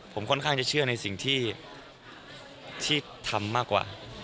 ผมค่อนข้างจะเชื่อในสิ่งที่ทำมากกว่า